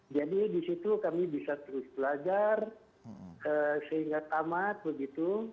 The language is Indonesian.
jadi di situ kami bisa terus belajar sehingga tamat begitu